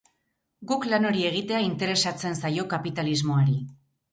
Guk lan hori egitea interesatzen zaio kapitalismoari.